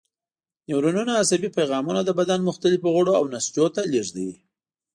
نیورونونه عصبي پیغامونه د بدن مختلفو غړو او نسجونو ته لېږدوي.